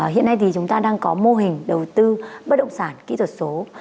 hiện nay thì chúng ta đang có mô hình đầu tư bất động sản kỹ thuật số